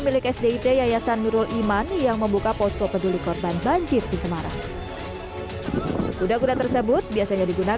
adalah kuda kuda yang terkena dampak banjir di trimuyo genug semarang jawa tengah